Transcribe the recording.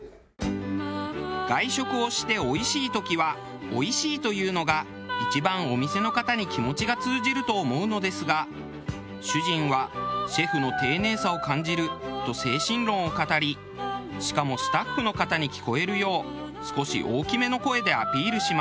外食をしておいしい時は「おいしい」と言うのが一番お店の方に気持ちが通じると思うのですが主人は「シェフの丁寧さを感じる」と精神論を語りしかもスタッフの方に聞こえるよう少し大きめの声でアピールします。